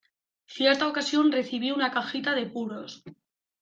Cierta ocasión recibí una cajita de puros.